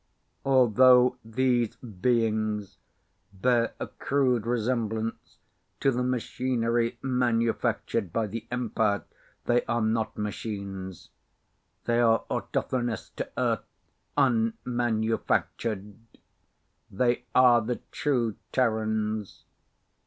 Although these beings bear a crude resemblance to the machinery manufactured by the Empire, they are not machines. They are autochthonous to Earth, unmanufactured. They are the true Terrans.